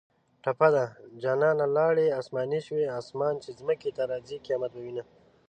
ټپه ده: جانانه لاړې اسماني شوې اسمان چې ځمکې ته راځي قیامت به وینه